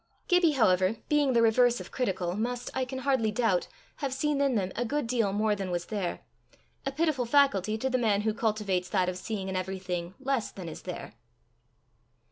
Gibbie, however, being the reverse of critical, must, I can hardly doubt, have seen in them a good deal more than was there a pitiful faculty to the man who cultivates that of seeing in everything less than is there.